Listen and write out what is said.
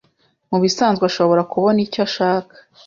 Mubisanzwe ashobora kubona icyo ashaka.